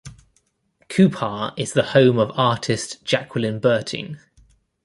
Cupar is the home of artist Jacqueline Berting.